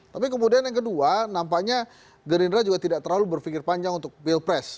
tapi kemudian yang kedua nampaknya gerindra juga tidak terlalu berpikir panjang untuk pilpres